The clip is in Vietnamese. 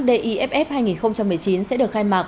d i f f hai nghìn một mươi chín sẽ được khai mạc